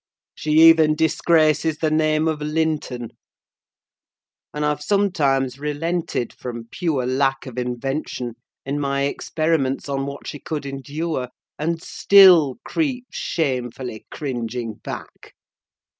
She even disgraces the name of Linton; and I've sometimes relented, from pure lack of invention, in my experiments on what she could endure, and still creep shamefully cringing back!